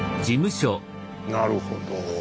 なるほど。